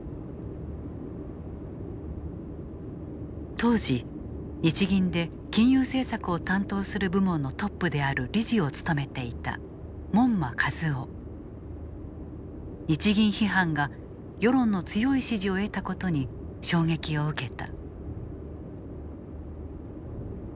当時日銀で金融政策を担当する部門のトップである理事を務めていた日銀批判が世論の強い支持を得たことに衝撃を受けた。